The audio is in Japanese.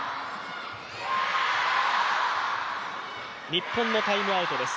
日本のタイムアウトです。